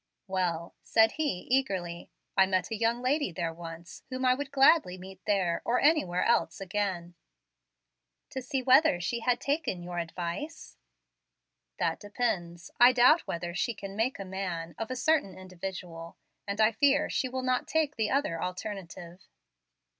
"Well," said he, eagerly, "I met a young lady there once, whom I would gladly meet there or anywhere else again." "To see whether she had taken your advice?" "That depends. I doubt whether she can 'make a man' of a certain individual, and I fear she will not take the other alternative."